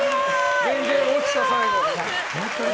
電源落ちた、最後。